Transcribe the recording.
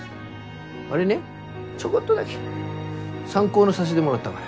あれねちょこっとだけ参考にさしでもらったがや。